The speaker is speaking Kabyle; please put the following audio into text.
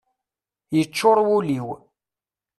Yeččur wul-iw.